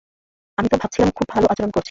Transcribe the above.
আমি তো ভাবছিলাম খুব ভাল আচরণ করছি।